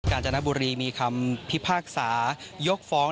การจนบุรีมีคำพิพากษายกฟ้อง